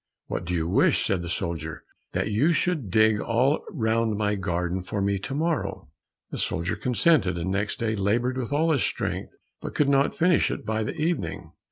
"What do you wish?" said the soldier. "That you should dig all round my garden for me, tomorrow." The soldier consented, and next day labored with all his strength, but could not finish it by the evening.